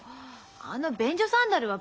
あの便所サンダルは別に。